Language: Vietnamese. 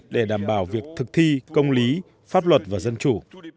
để đảm bảo việc thực thi công lý pháp luật và dân chủ